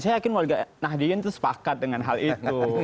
saya yakin warga nahdien itu sepakat dengan hal itu